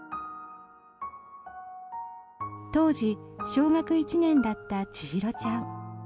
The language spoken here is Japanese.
当時、小学１年だった千空ちゃん。